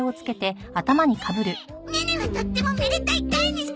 ネネはとってもめでたいタイにしたわ！